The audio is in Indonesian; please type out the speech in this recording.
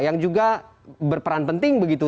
yang juga berperan penting begitu